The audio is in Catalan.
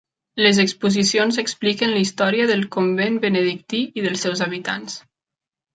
Les exposicions expliquen la història del convent benedictí i dels seus habitants.